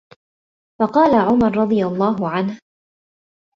فَقَالَ عُمَرُ رَضِيَ اللَّهُ عَنْهُ